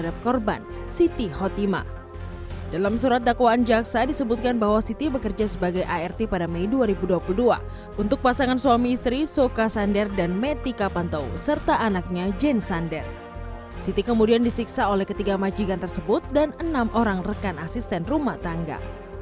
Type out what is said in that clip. dan enam orang rekan asisten rumah tangga